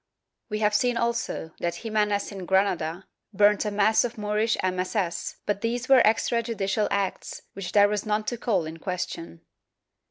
^ We have seen also that Xime nes in Granada burnt a mass of Moorish MSS., but these were extra judicial acts, which there was none to call in question.